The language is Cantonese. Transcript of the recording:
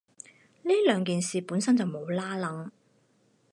呢兩件事本身就冇拏褦